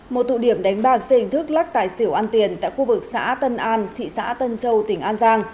một tụ điểm đánh bạc dây hình thức lắc tài xỉu ăn tiền tại khu vực xã tân an thị xã tân châu tỉnh an giang